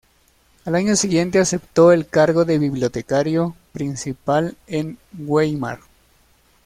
Al año siguiente aceptó el cargo de bibliotecario principal en Weimar.